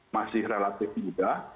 masih relatif juga